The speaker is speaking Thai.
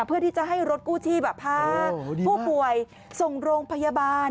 เพื่อที่จะให้รถกู้ชีพพาผู้ป่วยส่งโรงพยาบาล